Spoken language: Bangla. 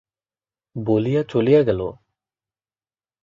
বলিয়া চলিয়া গেল।